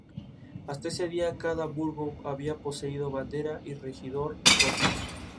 Hasta ese día cada burgo había poseído bandera y regidor propios.